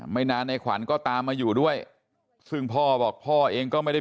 ไม่นานในขวัญก็ตามมาอยู่ด้วยซึ่งพ่อบอกพ่อเองก็ไม่ได้